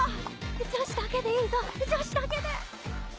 女子だけでいいぞ女子だけで。